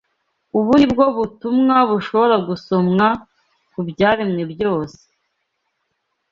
Ubu ni bwo butumwa bushobora gusomwa ku byaremwe byose